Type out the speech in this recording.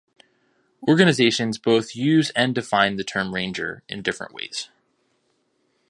Organizations both use and define the term "Ranger" in different ways.